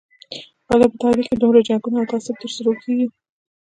ولې په تاریخ کې دومره جنګونه او تعصب تر سترګو کېږي.